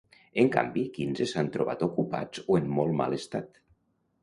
En canvi, quinze s’han trobat ocupats o en molt mal estat.